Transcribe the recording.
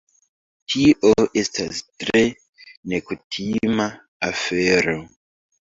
Tio estas tre nekutima afero.